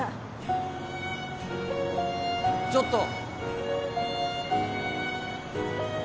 ちょっと。